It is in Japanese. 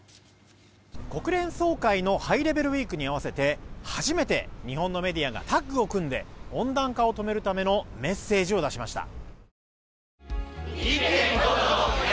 国連総会のハイレベルウィークに合わせて初めて日本のメディアがタッグを組んで温暖化を止めるためのメッセージを出しました。